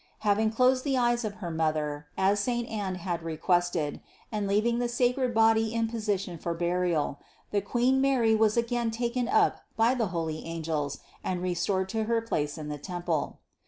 Having closed the eyes of her mother, as saint Anne had requested, and leaving the sacred body in position 37 554 CITY OF GOD for burial, the Queen Mary was again taken up by the holy angels and restored to her place in the temple.